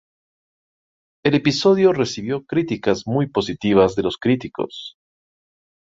El episodio recibió críticas muy positivas de los críticos.